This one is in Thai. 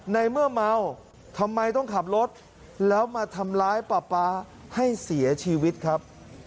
ในเมื่อเมาทำไมต้องขับรถแล้วมาทำร้ายป๊าป๊าให้เสียชีวิตครับ